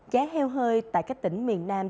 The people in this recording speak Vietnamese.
giá heo hơi tại các tỉnh miền nam